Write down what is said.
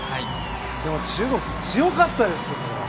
でも中国、強かったですよ。